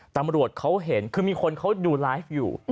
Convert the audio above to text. ตำรวจเขาเห็นคือมีคนเขาดูไลฟ์อยู่